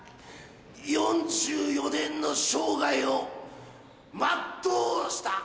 ４４年の生涯をマットウした。